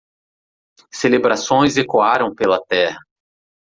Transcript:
Celebrações ecoaram pela terra.